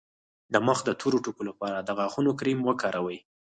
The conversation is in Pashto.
د مخ د تور ټکو لپاره د غاښونو کریم وکاروئ